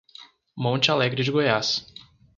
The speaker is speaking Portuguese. Monte Alegre de Goiás